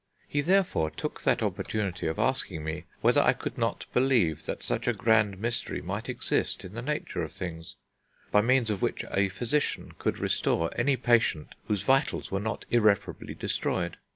He, therefore, took that opportunity of asking me whether I could not believe that such a grand mystery might exist in the nature of things, by means of which a physician could restore any patient whose vitals were not irreparably destroyed.